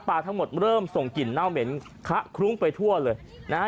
ทั้งหมดเริ่มส่งกลิ่นเน่าเหม็นคะคลุ้งไปทั่วเลยนะฮะ